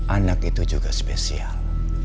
anak itu juga spesial